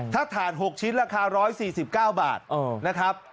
ถ้าถ่าน๖ชิ้นราคา๑๔๙บาทนะครับ